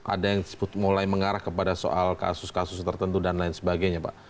ada yang mulai mengarah kepada soal kasus kasus tertentu dan lain sebagainya pak